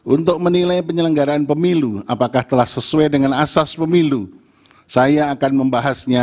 untuk menilai penyelenggaraan pemilu apakah telah sesuai dengan asas pemilu saya akan membahasnya